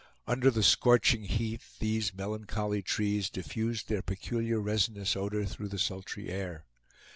Under the scorching heat these melancholy trees diffused their peculiar resinous odor through the sultry air.